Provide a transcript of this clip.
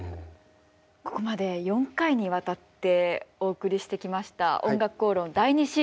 ここまで４回にわたってお送りしてきました「おんがくこうろん」